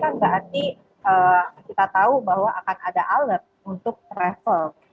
karena kalau suatu penetapan klb kan berarti kita tahu bahwa akan ada alert untuk traveler